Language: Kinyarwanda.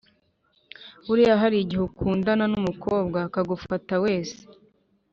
Buriya harigihe ukundana numukobwa akagufata wese